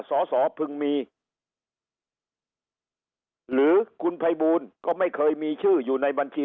สอสอพึงมีหรือคุณภัยบูลก็ไม่เคยมีชื่ออยู่ในบัญชี